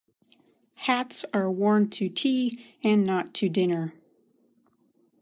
Hats are worn to tea and not to dinner.